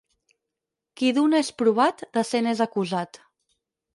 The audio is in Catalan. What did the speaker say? Qui d'una és provat, de cent és acusat.